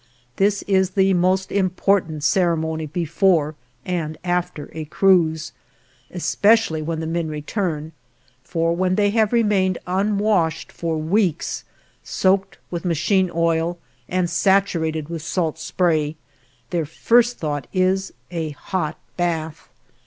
This is the most important ceremony before and after a cruise, especially when the men return, for when they have remained unwashed for weeks, soaked with machine oil, and saturated with salt spray, their first thought is a hot bath.